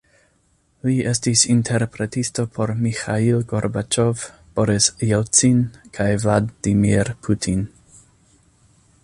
Li estis interpretisto por Miĥail Gorbaĉov, Boris Jelcin, kaj Vladimir Putin.